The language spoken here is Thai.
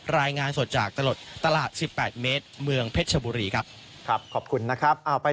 รายงานสดจากตลอดตลาดสิบแปดเมตรเมืองเพชรบุรีครับครับขอบคุณนะครับ